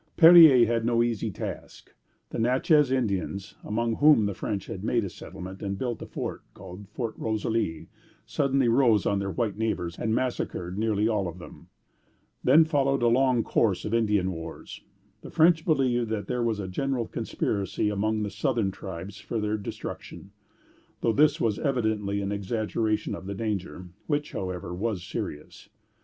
Perier had no easy task. The Natchez Indians, among whom the French had made a settlement and built a fort called Fort Rosalie, suddenly rose on their white neighbors and massacred nearly all of them. Then followed a long course of Indian wars. The French believed that there was a general conspiracy among the southern tribes for their destruction, though this was evidently an exaggeration of the danger, which, however, was serious.